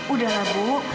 udah lah ibu